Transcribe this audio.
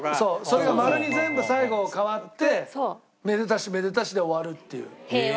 それが「○」に全部最後変わってめでたしめでたしで終わるっていう。